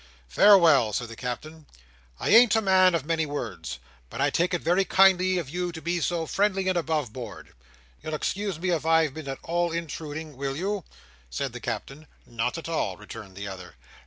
"Farewell!" said the Captain. "I ain't a man of many words, but I take it very kind of you to be so friendly, and above board. You'll excuse me if I've been at all intruding, will you?" said the Captain. "Not at all," returned the other.